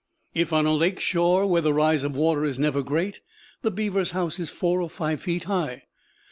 If on a lake shore, where the rise of water is never great, the beaver's house is four or five feet high.